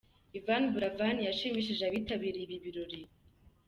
Yvan Buravan yashimishije abitabiriye ibi birori.